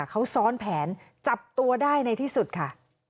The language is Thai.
เขาซ้อนแผนจับตัวได้ในที่สุดค่ะ